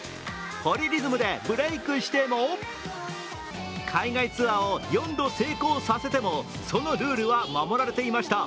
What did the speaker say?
「ポリリズム」でブレークしても、海外ツアーを４度成功させてもそのルールは守られていました。